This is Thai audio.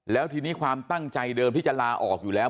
แล้วทีนี้ความตั้งใจเดิมที่จะลาออกอยู่แล้ว